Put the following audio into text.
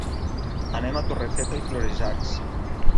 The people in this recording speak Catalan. Anem a Torrefeta i Florejacs.